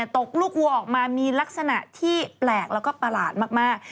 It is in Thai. ตกลูกวัวออกมามีลักษณะที่แปลกแล้วก็ประหลาดมาก